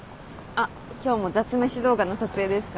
あっ今日も雑飯動画の撮影ですか？